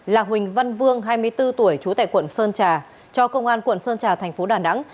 là huỳnh văn vương hai mươi bốn tuổi trú tại quận sơn trà cho công an quận sơn trà thành phố đà nẵng